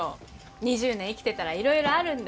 ２０年生きてたらいろいろあるんで。